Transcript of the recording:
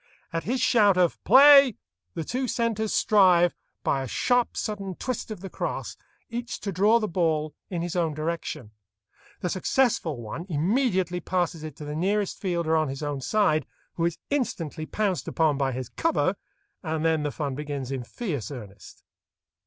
At his shout of "Play," the two centres strive, by a sharp, sudden twist of the crosse, each to draw the ball in his own direction. The successful one immediately passes it to the nearest fielder on his own side, who is instantly pounced upon by his "cover," and then the fun begins in fierce earnest.